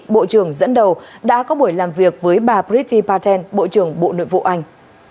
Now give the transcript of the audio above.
bộ trưởng dẫn đầu đã có buổi làm việc với bà brittany patten bộ trưởng bộ nội vụ anh